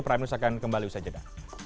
prime news akan kembali usai jeda